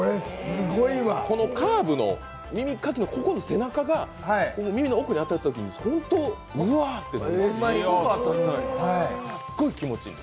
このカーブの、耳かきの背中が耳の奥に当たるときに本当、うわ！となる、すっごい気持ちいい。